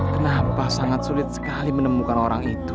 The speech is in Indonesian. kenapa sangat sulit sekali menemukan orang itu